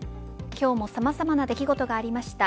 今日もさまざま出来事がありました。